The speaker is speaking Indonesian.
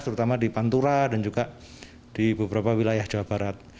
terutama di pantura dan juga di beberapa wilayah jawa barat